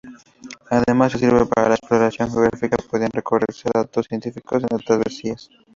Además de servir para la exploración geográfica, podían recogerse datos científicos en las travesías.